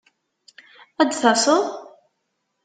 Ad d-taseḍ?